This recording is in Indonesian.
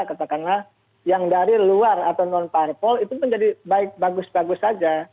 katakanlah yang dari luar atau non parpol itu menjadi baik bagus bagus saja